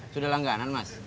sudah langganan mas